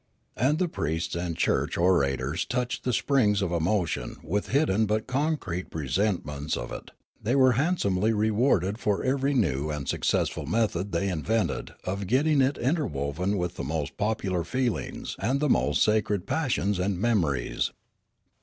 And the priests and church orators touched the springs of emotion with hidden but concrete presentments of it ; they were handsomely rewarded for every new and 90 Riallaro successful method the\^ invented of getting it inter woven with the most popular feelings and the most sacred passions and memories.